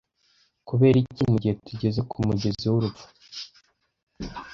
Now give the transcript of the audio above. Kuberiki, mugihe tugeze kumugezi wurupfu